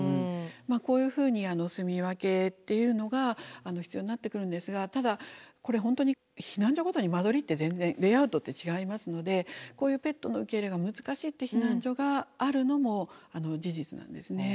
こういうふうに住み分けっていうのが必要になってくるんですがただこれ本当に避難所ごとに間取りって全然レイアウトって違いますのでこういうペットの受け入れが難しいって避難所があるのも事実なんですね。